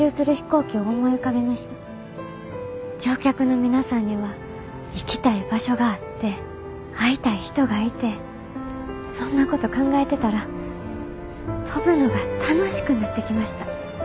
乗客の皆さんには行きたい場所があって会いたい人がいてそんなこと考えてたら飛ぶのが楽しくなってきました。